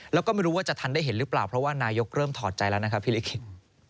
แล้วก็ไม่รู้ว่าจะทันได้เห็นหรือเปล่าเพราะว่านายกเริ่มถอดใจแล้วนะครับพี่ลิขิต